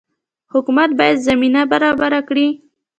حکومت باید زمینه برابره کړي